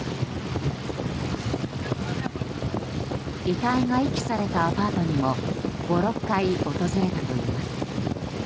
遺体が遺棄されたアパートにも５６回訪れたといいます。